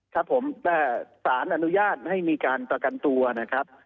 ครับผมสารอนุญาตให้มีการประกันตัวนะครับ